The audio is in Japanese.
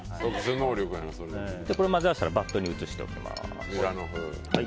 これを混ぜ合わせたらバットに移しておきます。